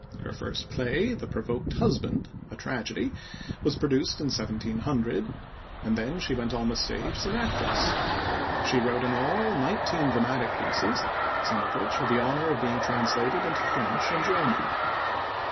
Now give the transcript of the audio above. Her first play, The Provoked Husband, a tragedy, was produced in 1700, and then she went on the stage as an actress. She wrote in all nineteen dramatic pieces, some of which had the honor of being translated into French and German.